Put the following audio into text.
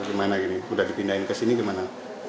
gimana gini sudah dipindahkan ke sini gimana